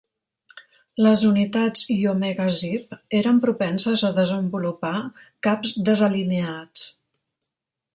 Les unitats Iomega Zip eren propenses a desenvolupar caps desalineats.